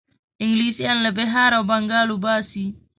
انګلیسیان له بیهار او بنګال وباسي.